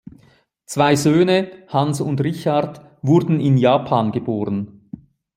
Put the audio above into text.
Zwei Söhne, Hans und Richard, wurden in Japan geboren.